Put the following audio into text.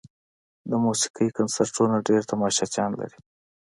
د موسیقۍ کنسرتونه ډېر تماشچیان لري.